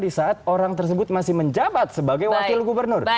di saat orang tersebut masih menjabat sebagai wakil gubernur